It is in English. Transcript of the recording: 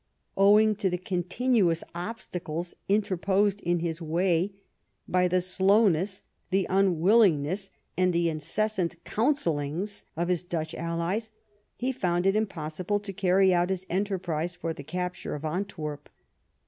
Owing to the continuous obstacles interposed in his way by the slowness, the unwilling ness, and the incessant councillings of his Dutch allies, he found it impossible to carry out his enterprise for the capture of Antwerp.